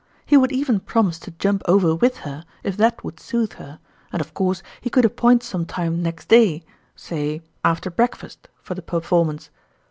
He would even promise to jump over with her, if that would soothe her, and of course he could appoint some time next day say, after breakfast for the performance.